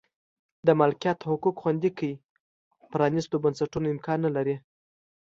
د مالکیت حقوق خوندي کړي پرانیستو بنسټونو امکان نه لري.